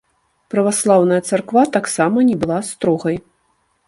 Праваслаўная царква таксама не была строгай.